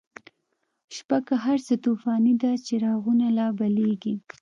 شپه که هر څه توفانی ده، چراغونه لا بلیږی